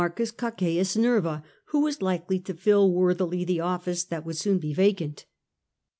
Cocceius Nerva, who was likely to fill worthily the office that would soon be vacant.